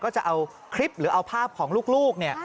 ก็จะเอาคลิปหรือเอาภาพของลูก